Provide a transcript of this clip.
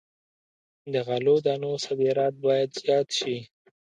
د غلو دانو صادرات باید زیات شي.